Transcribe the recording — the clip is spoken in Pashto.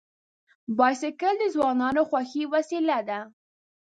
بایسکل د ځوانانو خوښي وسیله ده.